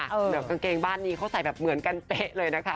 แบบกางเกงบ้านนี้เขาใส่แบบเหมือนกันเป๊ะเลยนะคะ